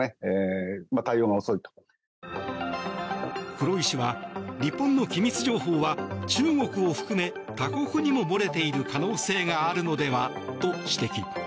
黒井氏は日本の機密情報は中国を含め他国にも漏れている可能性があるのではと指摘。